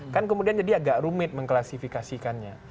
kan kemudian jadi agak rumit mengklasifikasikannya